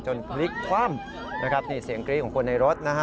พลิกคว่ำนะครับนี่เสียงกรี๊ดของคนในรถนะฮะ